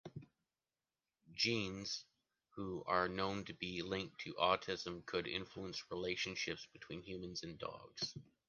Genes who are known to be linked to autism could influence relationships between humans and dogs.